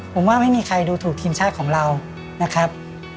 ผมว่าไม่มีใครดูถูกทีมชาติของเรานะครับ